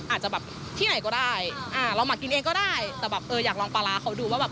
อาจจะแบบที่ไหนก็ได้อ่าเราหมักกินเองก็ได้แต่แบบเอออยากลองปลาร้าเขาดูว่าแบบ